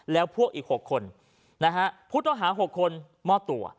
แล้วพวกอีก๖คนพุทธอาหาร๖คนมอดตัว